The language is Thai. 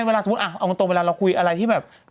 เราต้องตั้งไว้ใช่ไหม